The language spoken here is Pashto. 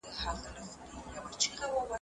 څوك ارغنداب ته څوك سرپوزې ته